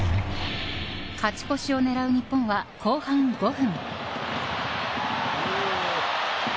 勝ち越しを狙う日本は、後半５分。